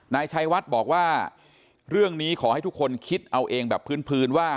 นายชัยวัดบอกว่าเรื่องนี้ขอให้ทุกคนคิดเอาเองแบบพื้นว่า